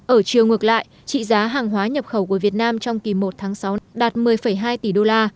ở chiều ngược lại trị giá hàng hóa nhập khẩu của việt nam trong kỳ một tháng sáu đạt một mươi hai tỷ đô la